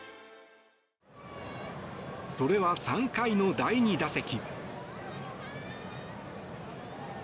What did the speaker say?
それは３回の第２打席。